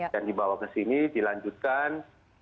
dan dibawa ke sini dilanjutkan